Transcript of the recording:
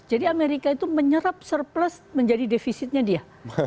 jadi amerika itu menyerap surplus menjadi defisitnya dia